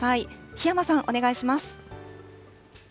檜山さん、お願いします。